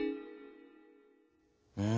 うん。